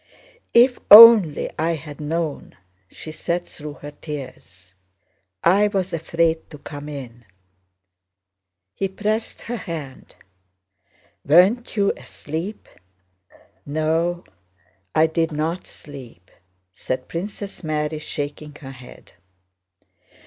"If only I had known..." she said through her tears. "I was afraid to come in." He pressed her hand. "Weren't you asleep?" "No, I did not sleep," said Princess Mary, shaking her head.